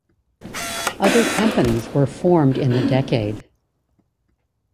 Other companies were formed in the decade.